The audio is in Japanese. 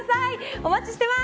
お待ちしてます。